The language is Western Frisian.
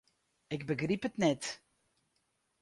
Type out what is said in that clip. Ik begryp it net.